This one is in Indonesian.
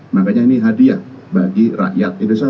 makanya ini hadiah bagi rakyat indonesia